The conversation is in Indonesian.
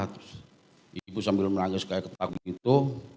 terus ibu sambil menangis kayak ketakutan gitu